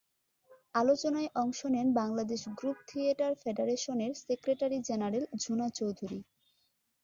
আলোচনায় অংশ নেন বাংলাদেশ গ্রুপ থিয়েটার ফেডারেশনের সেক্রেটারি জেনারেল ঝুনা চৌধুরী।